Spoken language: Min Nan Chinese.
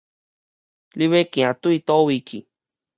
你欲行對佗位去？